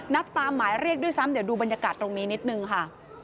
ตามหมายเรียกด้วยซ้ำเดี๋ยวดูบรรยากาศตรงนี้นิดนึงค่ะ